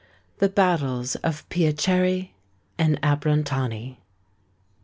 THE BATTLES OF PIACERE AND ABRANTANI.